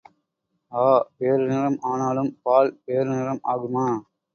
ஆ வேறு நிறம் ஆனாலும் பால் வேறு நிறம் ஆகுமா?